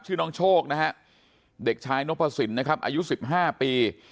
ชื่อน้องโชคนะฮะเด็กชายนพสินนะครับอายุ๑๕ปี